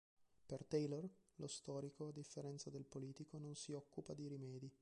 Per Taylor, lo storico, a differenza del politico, non si occupa di rimedi.